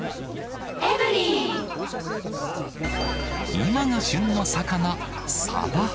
今が旬の魚、サバ。